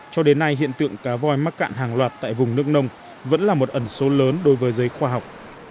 cho đến nay hiện tượng cá voi mắc cạn hàng loạt tại vùng nước nông vẫn là một ẩn số lớn đối với giới khoa học